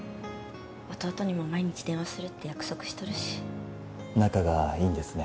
弟にも毎日電話するって約束しとるし仲がいいんですね